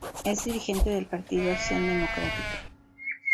Es dirigente del partido Acción Democrática.